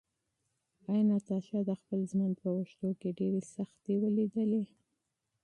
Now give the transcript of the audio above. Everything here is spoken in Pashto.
ایا ناتاشا د خپل ژوند په اوږدو کې ډېرې سختۍ ولیدلې؟